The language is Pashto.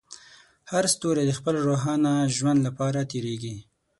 هر ستوری د خپل روښانه ژوند لپاره تېرېږي.